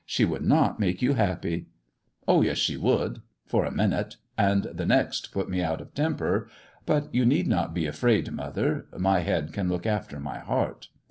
" She would not make you happy." " Oh, yes, she would — for a minute, and the next put me out of temper. But you need not be afraid, mother ; my head can look after my heart."